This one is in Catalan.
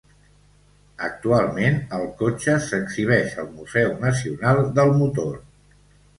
Actualment, el cotxe s'exhibeix al Museu Nacional del Motor.